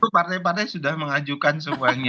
partai partai sudah mengajukan semuanya